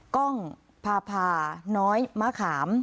กล้องพาพาน้อยมะขาม